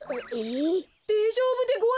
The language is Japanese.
でえじょうぶでごわすか？